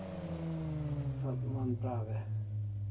Zo't Mon praw e?